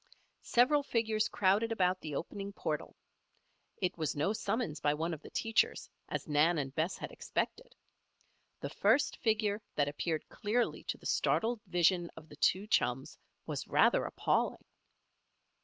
Several figures crowded about the opening portal. It was no summons by one of the teachers, as Nan and Bess had expected. The first figure that appeared clearly to the startled vision of the two chums was rather appalling.